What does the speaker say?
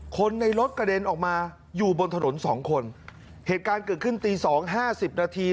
คนในรถกระเด็นออกมาอยู่บนถนนสองคนเหตุการณ์เกิดขึ้นตีสองห้าสิบนาที